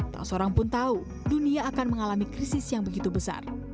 tak seorang pun tahu dunia akan mengalami krisis yang begitu besar